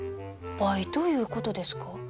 バイトいうことですか？